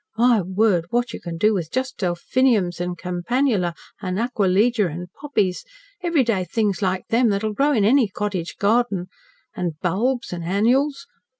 My word! what you can do with just delphiniums an' campanula an' acquilegia an' poppies, everyday things like them, that'll grow in any cottage garden, an' bulbs an' annuals!